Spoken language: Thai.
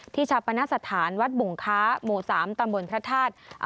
ชาปณสถานวัดบุงค้าหมู่๓ตำบลพระธาตุ